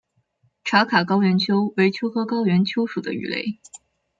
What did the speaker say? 茶卡高原鳅为鳅科高原鳅属的鱼类。